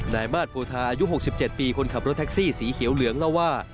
นายมาสโพธาอายุ๖๗ปีคนขับรถแท็กซี่สีเขียวเหลืองเล่าว่า